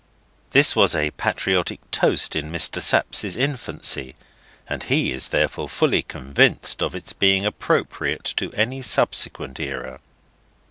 This was a patriotic toast in Mr. Sapsea's infancy, and he is therefore fully convinced of its being appropriate to any subsequent era.